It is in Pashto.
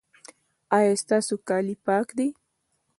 ایا ستاسو کالي پاک دي؟